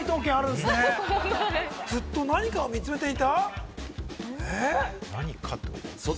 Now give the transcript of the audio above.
外にある何かを見つめていた？